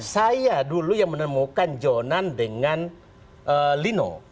saya dulu yang menemukan jonan dengan lino